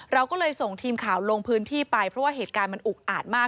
เราก็เลยส่งทีมข่าวลงพื้นที่ไปเพราะว่าเหตุการณ์มันอุกอาดมาก